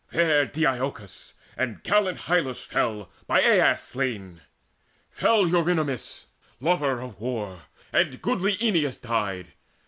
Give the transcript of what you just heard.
There Deiochus and gallant Hyllus fell By Alas slain, and fell Eurynomus Lover of war, and goodly Enyeus died.